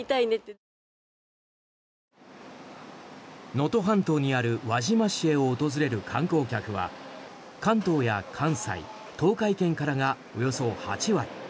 能登半島にある輪島市へ訪れる観光客は関東や関西、東海圏からがおよそ８割。